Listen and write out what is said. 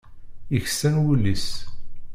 Yeksan wul-is.